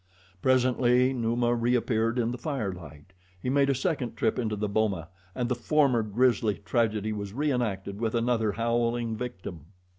Presently Numa reappeared in the firelight. He made a second trip into the boma and the former grisly tragedy was reenacted with another howling victim.